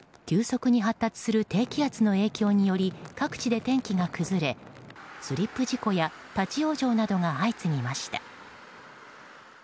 急速に発達する低気圧の影響により各地で天気が崩れスリップ事故や立ち往生などが相次ぎました。